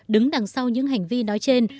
đứng đằng sau những hành vi nói trên